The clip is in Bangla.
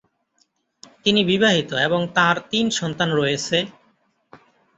তিনি বিবাহিত এবং তাঁর তিন সন্তান রয়েছে।